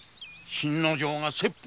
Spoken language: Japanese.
信之丞が切腹？